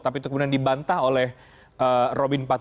tapi itu kemudian dibantah oleh robin empat puluh